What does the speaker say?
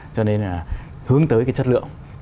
cho nên là hướng tới cái chất lượng